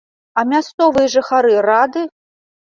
А мясцовыя жыхары рады?